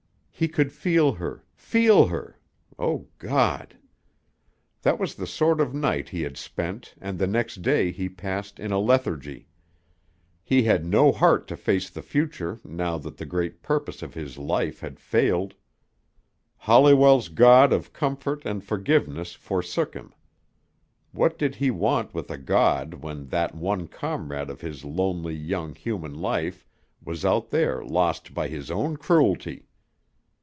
He could feel her feel her! O God! That was the sort of night he had spent and the next day he passed in a lethargy. He had no heart to face the future now that the great purpose of his life had failed. Holliwell's God of comfort and forgiveness forsook him. What did he want with a God when that one comrade of his lonely, young, human life was out there lost by his own cruelty!